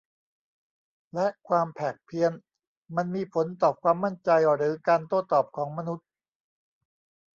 และความแผกเพี้ยน มันมีผลต่อความมั่นใจหรือการโต้ตอบของมนุษย์